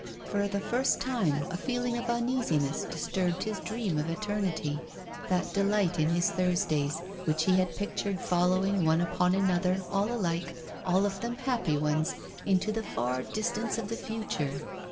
For the first time, a feeling of uneasiness disturbed his dream of eternity, that delight in his Thursdays, which he had pictured following one upon another, all alike, all of them happy ones, into the far distance of the future.